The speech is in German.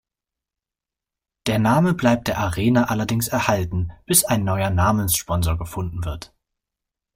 Der Name bleibt der Arena allerdings erhalten, bis ein neuer Namenssponsor gefunden wird.